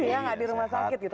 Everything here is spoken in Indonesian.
iya nggak di rumah sakit gitu